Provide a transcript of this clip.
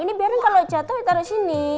ini biar kalau jatuh taruh sini